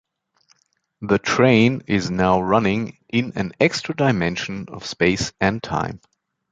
The train is now running in an extra dimension of space and time.